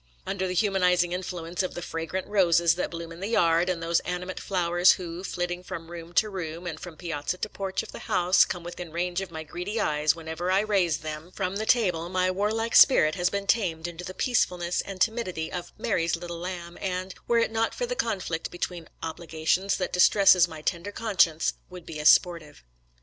Under the humanizing influence of the fragrant roses that bloom in the yard and those animate flow ers who, flitting from room to room and from 119 120 SOLDIER'S LETTERS TO CHARMING NELLIE piazza to porch of the house, come within range of my greedy eyes whenever I raise them from the table, my warlike spirit has been tamed into the peacefulness and timidity of " Mary's little lamb," and, were it not for the conflict between obligations that distresses my tender conscience, would be as sportive.